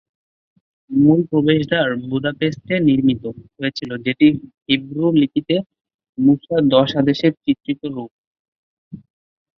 মূল প্রবেশদ্বার বুদাপেস্টে নির্মিত হয়েছিল যেটি হিব্রু লিপিতে মূসার দশ আদেশের চিত্রিত রূপ।